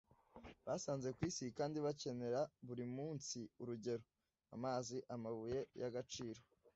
basanze ku isi kandi bakenera buri munsi urugero: amazi, amabuye y’agaciro,